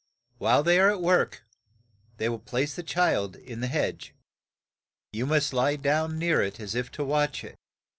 While they are at work they will place the child in the hedge. You must lie down near it as if to watch it.